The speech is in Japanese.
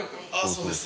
そうです。